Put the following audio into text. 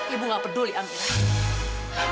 ibu gak peduli amira